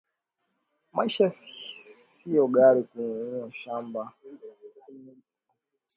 Maisha sio gari kanunue shamba Nikamuitikia na kuondoka Nikiwa nje akapiga simu